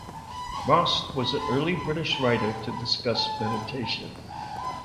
Rost was an early British writer to discuss meditation.